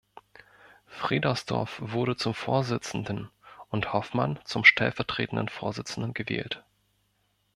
Fredersdorf wurde zum Vorsitzenden und Hoffmann zum stellvertretenden Vorsitzenden gewählt.